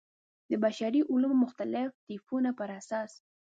د بشري علومو مختلفو طیفونو پر اساس.